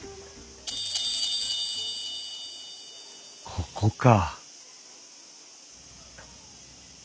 ここか。